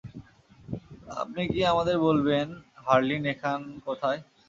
আপনি কি আমাদের বলবেন হারলিন এখন কোথায়?